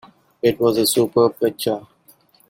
It was a superb picture.